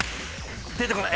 出てこない！